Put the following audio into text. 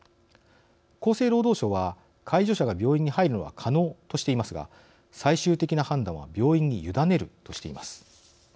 厚生労働省は介助者が病院に入るのは可能としていますが最終的な判断は病院に委ねるとしています。